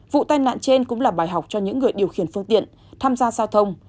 vụ tai nạn trên cũng là bài học cho những người điều khiển phương tiện tham gia giao thông